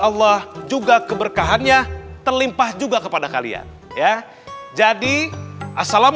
allah juga keberkahannya terlimpah juga kepada kalian ya jadi assalamualaikum